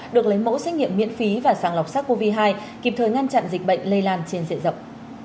được lấy mẫu xét nghiệm miễn phí và sàng lọc sars cov hai kịp thời ngăn chặn dịch bệnh lây lan trên diện rộng